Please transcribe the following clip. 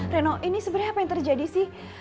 reno ini sebenarnya apa yang terjadi sih